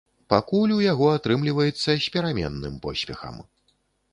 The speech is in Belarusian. Пакуль у яго атрымліваецца з пераменным поспехам.